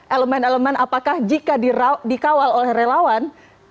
elemen elemen apakah jika dikawal oleh relawan